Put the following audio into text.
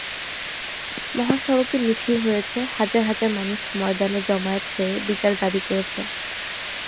মহাসড়কে মিছিল হয়েছে, হাজার হাজার মানুষ ময়দানে জমায়েত হয়ে বিচার দাবি করেছে।